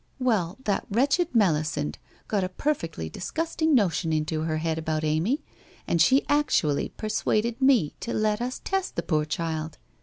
Well, that wretched Melisande got a perfectly disgusting notion into her head about Amy, and she actually persuaded me to let us test the poor child.